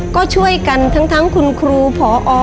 ก็ช่วยกันทั้งคุณครูพอ